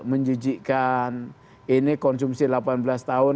menjijikan ini konsumsi delapan belas tahun